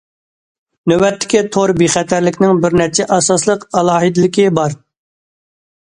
نۆۋەتتىكى تور بىخەتەرلىكىنىڭ بىر نەچچە ئاساسلىق ئالاھىدىلىكى بار.